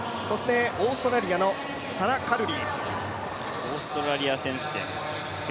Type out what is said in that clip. オーストラリアのサラ・カルリ。